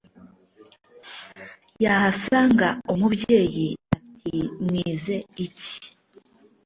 yahasanga umubyeyi ati ‘mwize iki’